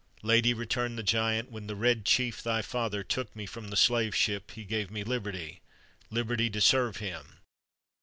"Lady," returned the giant, "when the Red Chief, thy father, took me from the slave ship he gave me liberty liberty to serve him.